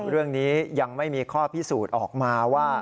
เรื่องนี้ยังไม่มีข้อพิสูจน์ออกมาว่า